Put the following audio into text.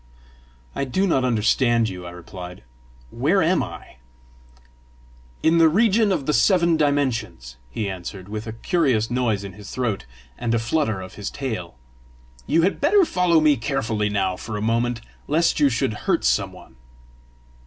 "I do not understand you," I replied. "Where am I?" "In the region of the seven dimensions," he answered, with a curious noise in his throat, and a flutter of his tail. "You had better follow me carefully now for a moment, lest you should hurt some one!"